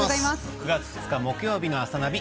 ９月２日、木曜日の「あさナビ」